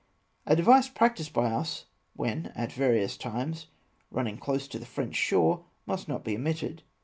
A device practised by us when, at various times, run ning close in to the French shore, must not be omitted.